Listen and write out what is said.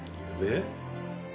えっ？